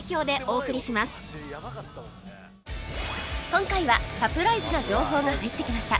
今回はサプライズな情報が入ってきました